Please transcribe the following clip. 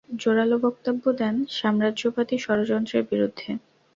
জোরালো বক্তব্য দেন সাম্রাজ্যবাদী ষড়যন্ত্রের বিরুদ্ধে।